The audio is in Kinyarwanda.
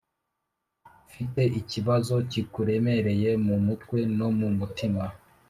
ufite ikibazo kikuremereye mu mutwe no mu mutima.